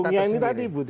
panggungnya ini tadi ibu